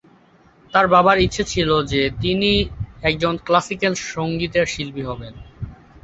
তার বাবার ইচ্ছে ছিল যে তিনি একজন ক্লাসিক্যাল সংগীতের শিল্পী হবেন।